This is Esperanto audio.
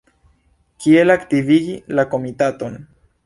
Kiel aktivigi la Komitaton?